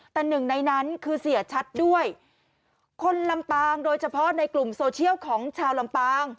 แต่หนึ่งในนั้นคือเสียชัดด้วยคนลำปางโดยเฉพาะในกลุ่มโซเชียลของชาวลำปาง